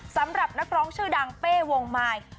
สำหรับนักร้องชื่อดังเป้วงมาย